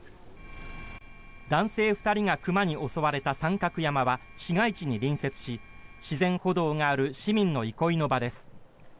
男性２人が熊に襲われた三角山は、市街地に隣接し自然歩道がある市民の憩いの場です。